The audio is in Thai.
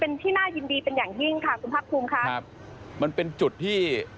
เป็นที่น่ายินดีเป็นอย่างยิ่งค่ะคุณภาคภูมิค่ะครับมันเป็นจุดที่